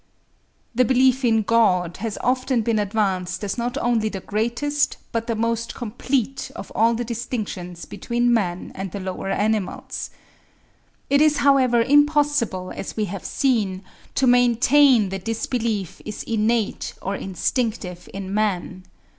The belief in God has often been advanced as not only the greatest, but the most complete of all the distinctions between man and the lower animals. It is however impossible, as we have seen, to maintain that this belief is innate or instinctive in man.